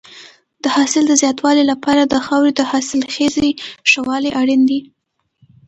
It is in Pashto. د حاصل د زیاتوالي لپاره د خاورې د حاصلخېزۍ ښه والی اړین دی.